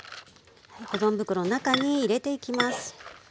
保存袋の中に入れていきます。